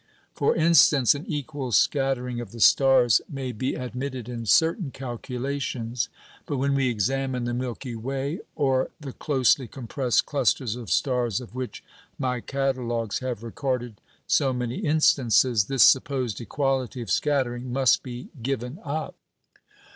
For instance, an equal scattering of the stars may be admitted in certain calculations; but when we examine the Milky Way, or the closely compressed clusters of stars of which my catalogues have recorded so many instances, this supposed equality of scattering must be given up."